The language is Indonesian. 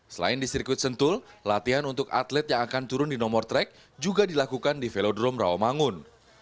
selain di sirkuit sentul latihan untuk atlet yang akan turun di nomor track juga dilakukan di velodrome rawamangun